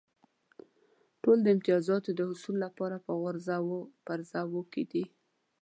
ټول د امتیازاتو د حصول لپاره په غورځو پرځو کې دي.